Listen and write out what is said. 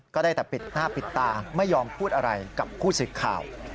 ก็ได้แต่ปิดหน้าปิดตาไม่ยอมพูดอะไรกับผู้สื่อข่าว